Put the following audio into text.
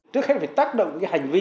trước hết là phải tác động cái hành vi